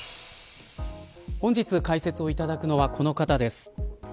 本日、解説をいただくのはこの方です。